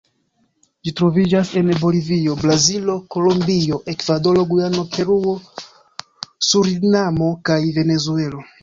Ĝi troviĝas en Bolivio, Brazilo, Kolombio, Ekvadoro, Gujano, Peruo, Surinamo kaj Venezuelo.